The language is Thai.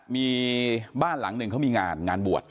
มีบ้านหลังหนึ่งเขามีงานงานบวช